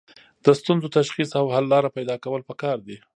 د ستونزو تشخیص او حل لاره پیدا کول پکار دي.